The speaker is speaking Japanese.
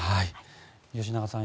吉永さん